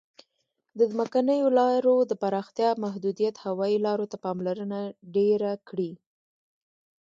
د ځمکنیو لارو د پراختیا محدودیت هوایي لارو ته پاملرنه ډېره کړې.